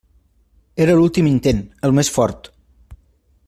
Era l'últim intent, el més fort.